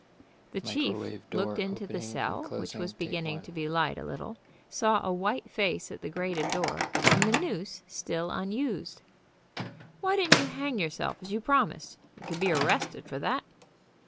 The chief looked into the cell, which was beginning to be light a little, saw a white face at the grated door, and the noose still unused. "Why didn't you hang yourself, as you promised? You could be arrested for that."